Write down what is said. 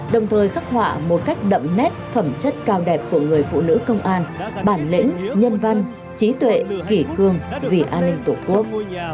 đồng thời khắc họa một cách đậm nét phẩm chất cao đẹp của người phụ nữ công an bản lĩnh nhân văn trí tuệ kỷ cương vì an ninh tổ quốc